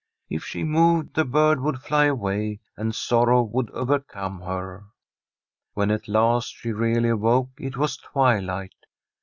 If she moved, the bird would fly away, and sorrow would overcome her. When at last she really awoke, it was twilight.